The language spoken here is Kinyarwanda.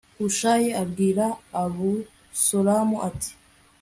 hushayi abwira abusalomu ati